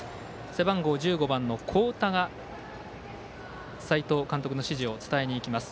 背番号１５番の古宇田が斎藤監督の指示を伝えにいきます。